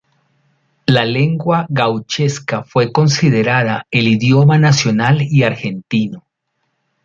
La lengua gauchesca fue considerada el idioma nacional y argentino.